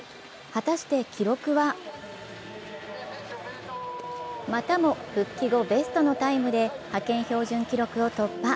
果たして記録はまたも復帰後、ベストのタイムで派遣標準記録を突破。